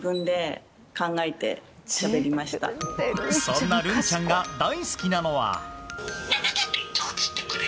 そんなるんちゃんが大好きなのは。